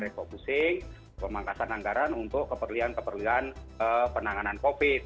refocusing pemangkasan anggaran untuk keperlian keperlian penanganan covid